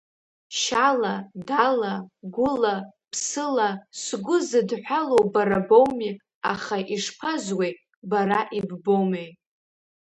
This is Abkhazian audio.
Шьала, дала, гәыла, ԥсыла, сгәы зыдҳәалоу бара боуми, аха ишԥазуеи, бара иббомеи.